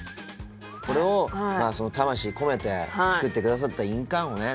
これを魂込めて作って下さった印鑑をね